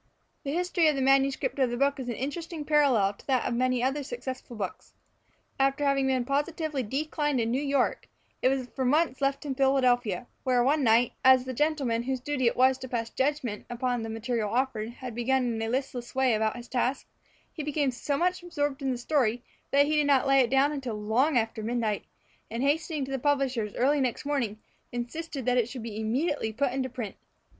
The history of the manuscript of the book is an interesting parallel to that of many other successful books. After having been positively declined in New York, it was for months left in Philadelphia, where one night, as the gentleman whose duty it was to pass judgment upon the material offered had begun in a listless way his task, he became so much absorbed in the story that he did not lay it down until long after midnight, and hastening to the publishers early next morning, insisted that it should be immediately put into print.